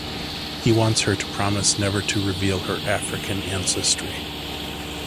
He wants her to promise never to reveal her African ancestry.